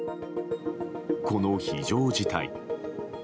この非常事態。